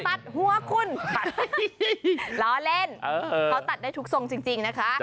ตัดหัวคุณตัดล้อเล่นเขาตัดได้ทุกทรงจริงนะคะ